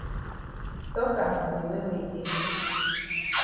Tok am de way wey e dey.